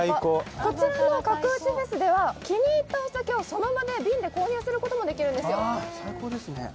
こちらの角打ちフェスでは気に入ったお酒をその場で瓶で購入することもできるんですよ。